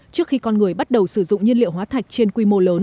trước khi con người bắt đầu sử dụng nhiên liệu hóa thông